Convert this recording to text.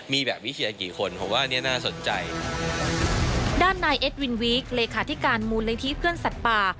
มีแบบวิเชียร์กี่คนผมว่าอันนี้น่าสนใจด้านนายเอ็ดวินวีคเลขาธิการมูลนิธิเพื่อนสัตว์ป่า